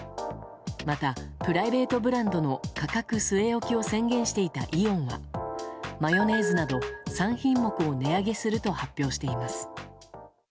またプライベートブランドの価格据え置きを宣言していたイオンはマヨネーズなど３品目を値上げすると発表しています。